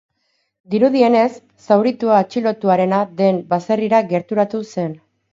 Dirudienez, zauritua atxilotuarena den baserrira gerturatu zen.